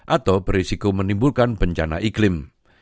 atau berisiko menimbulkan bencana iklim